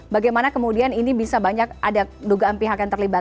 bagaimana kemudian ini bisa banyak ada dugaan pihak yang terlibat